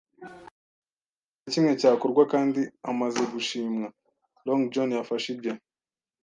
ntakintu na kimwe cyakorwa, kandi amaze gushimwa, Long John yafashe ibye